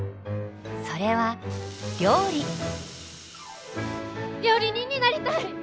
それは料理人になりたい！